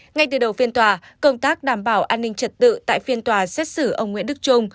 ngay từ đầu phiên tòa công tác đảm bảo an ninh trật tự tại phiên tòa xét xử ông nguyễn đức trung